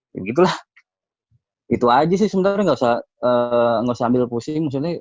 ya gitu lah itu aja sih sebenarnya gak usah ambil pusing